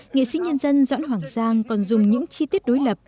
nghệ sĩ nhân dân doãn hoàng giang còn dùng những chi tiết đối lập